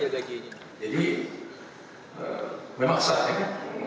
jadi memang salah ya kan